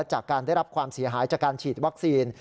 จากการได้รับความเสียหายจากการฉีดวัคซีน